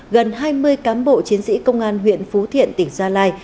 gần hai mươi cán bộ chiến sĩ công an huyện phú thiện tỉnh gia lai